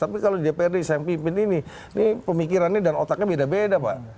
tapi kalau dprd saya yang pimpin ini ini pemikirannya dan otaknya beda beda pak